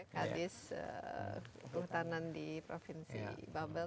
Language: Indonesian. kadis perhutanan di provinsi babel